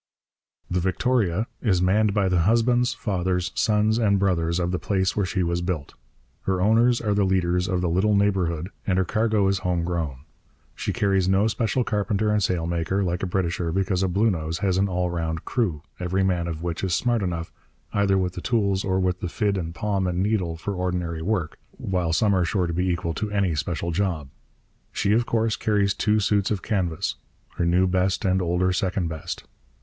The Victoria is manned by the husbands, fathers, sons, and brothers of the place where she was built. Her owners are the leaders of the little neighbourhood, and her cargo is home grown. She carries no special carpenter and sailmaker, like a Britisher, because a Bluenose has an all round crew, every man of which is smart enough, either with the tools or with the fid and palm and needle, for ordinary work, while some are sure to be equal to any special job. She of course carries two suits of canvas, her new best and older second best.